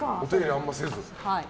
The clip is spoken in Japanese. あまりせず。